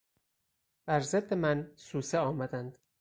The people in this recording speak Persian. بر ضد من سوسه آمدند.